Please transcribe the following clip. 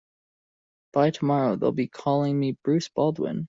By tomorrow they'll be calling me Bruce Baldwin.